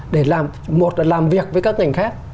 để làm một là làm việc với các ngành khác